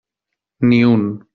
Ni un.